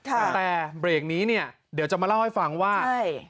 แต่เบรกนี้เนี่ยเดี๋ยวจะมาเล่าให้ฟังว่า